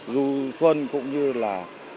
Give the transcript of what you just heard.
du xuân cũng như là